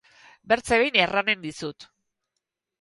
Bertze behin erranen dizut.